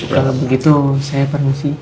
kalau begitu saya permisi